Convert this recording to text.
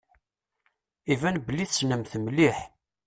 Iban belli tessnemt-t mliḥ.